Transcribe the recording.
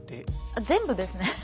全部ですね。